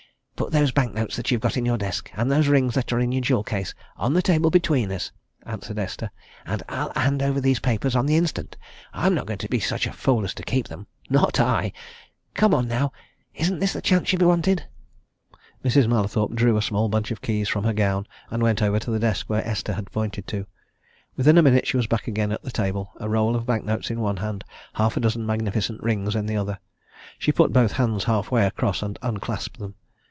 "Put those bank notes that you've got in your desk, and those rings that are in your jewel case, on the table between us," answered Esther, "and I'll hand over these papers on the instant! I'm not going to be such a fool as to keep them not I! Come on, now! isn't this the chance you've wanted?" Mrs. Mallathorpe drew a small bunch of keys from her gown, and went over to the desk which Esther had pointed to. Within a minute she was back again at the table, a roll of bank notes in one hand, half a dozen magnificent rings in the other. She put both hands halfway across and unclasped them.